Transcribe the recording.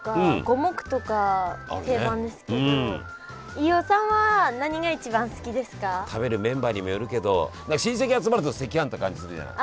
飯尾さんは食べるメンバーにもよるけど親戚集まると赤飯って感じするじゃない？